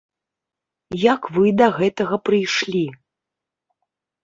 Як вы да гэтага прыйшлі?